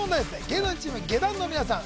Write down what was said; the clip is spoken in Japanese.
芸能人チーム下段の皆さん